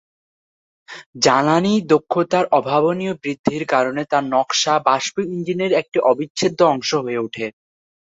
জ্বালানী দক্ষতার অভাবনীয় বৃদ্ধির কারণে তাঁর নকশা বাষ্পীয় ইঞ্জিনের একটি অবিচ্ছেদ্য অংশ হয়ে উঠে।